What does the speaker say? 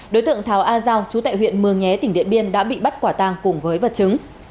đối tượng thảo a giao chú tại huyện mường nhé tỉnh điện biên đã bị bắt quả tàng cùng với vật chứng